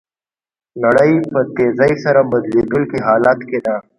نړۍ په تېزۍ سره بدلیدونکي حالت کې ده.